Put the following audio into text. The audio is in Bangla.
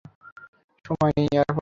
সময় নেই, এয়ারপোর্টে যাও।